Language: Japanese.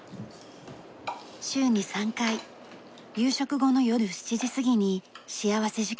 週に３回夕食後の夜７時過ぎに幸福時間があります。